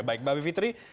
baik mbak bivitri